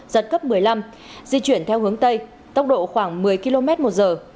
giật cấp một mươi năm di chuyển theo hướng tây tốc độ khoảng một mươi km một giờ